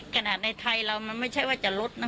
ขนาดในไทยเรามันไม่ใช่ว่าจะลดนะ